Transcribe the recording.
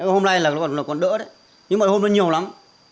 hôm nay là còn đỡ đấy nhưng mà hôm nay nhiều lắm